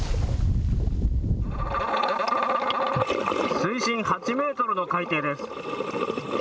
水深８メートルの海底です。